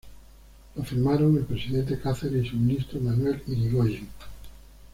La firmaron el presidente Cáceres y su ministro Manuel Irigoyen.